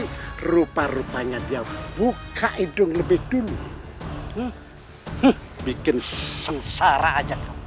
hai rupa rupanya dia buka hidung lebih dulu bikin sengsara aja angkat dia baik baik